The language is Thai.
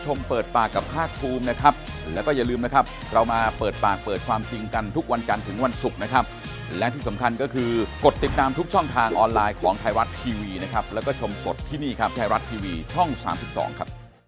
ค่ะขอบคุณนะครับที่มาบอกเล่ากันสวัสดีครับ